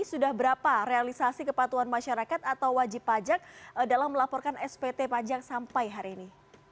sudah berapa realisasi kepatuhan masyarakat atau wajib pajak dalam melaporkan spt pajak sampai hari ini